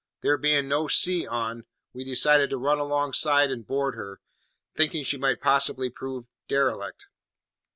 There being no sea on, we decided to run alongside and board her, thinking she might possibly prove derelict.